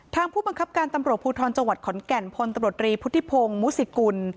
ผู้บังคับการตำรวจภูทรจังหวัดขอนแก่นพลตำรวจรีพุทธิพงศ์มุสิกุล